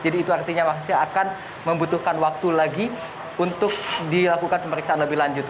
jadi itu artinya masih akan membutuhkan waktu lagi untuk dilakukan pemeriksaan lebih lanjut